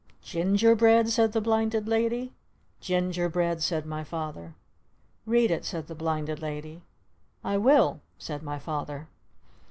"Ginger bread?" said the Blinded Lady. "Ginger bread!" said my Father. "Read it!" said the Blinded Lady. "I will!" said my Father.